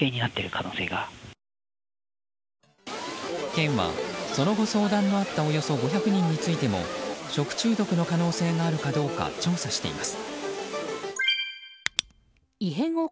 県はその後、相談のあったおよそ５００人についても食中毒の可能性があるかどうか調査しています。